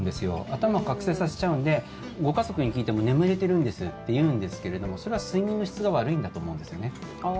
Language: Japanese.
頭を覚醒させちゃうのでご家族に聞いても眠れてるんですって言うんですけれどもそれは睡眠の質が悪いんだと思うんですよね。